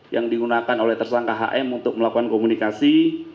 yang digunakan oleh tersangka hm untuk melakukan komunikasi